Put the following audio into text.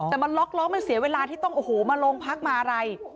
แต่มันล็อกล้อมันเสียเวลาที่ต้องโอ้โหมาโรงพักมาอะไร